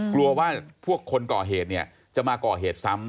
กลัวว่าพวกคนก่อเหตุเนี่ยจะมาก่อเหตุซ้ำ